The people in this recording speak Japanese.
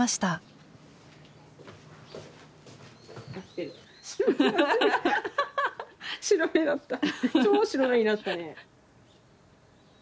超白目になったね。